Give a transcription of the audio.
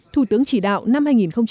thủ tướng chỉ đạo năm hai nghìn một mươi chín